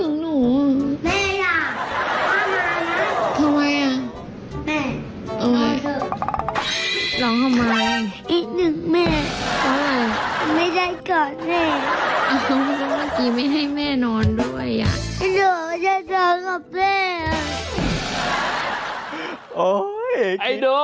เอายังไงได้ไอ้โด